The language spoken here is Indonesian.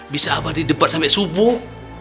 bisa apa didebat sampe subuh